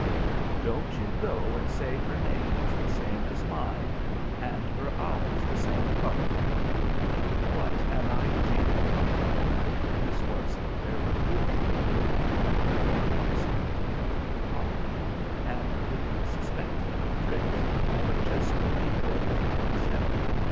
"Don't you go and say her name was the same as mine, and her eyes the same color." "What an idea!" This was a very good little girl, and very respectful to her papa, and didn't suspect him of tricks, but just believed everything he said.